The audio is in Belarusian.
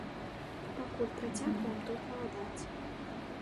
Пакуль працягваем тут галадаць.